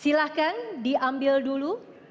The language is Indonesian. silakan diambil dulu